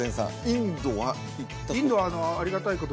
インドは行ったこと？